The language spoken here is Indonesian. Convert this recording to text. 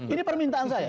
ini permintaan saya